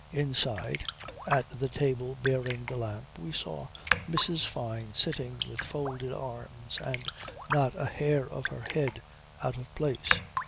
Inside, at the table bearing the lamp, we saw Mrs. Fyne sitting with folded arms and not a hair of her head out of place.